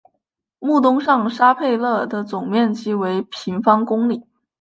穆东上沙佩勒的总面积为平方公里。